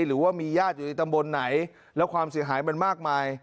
หรือว่ามีญาติอยู่ในตำบลไหนแล้วความเสียหายมันมากมาย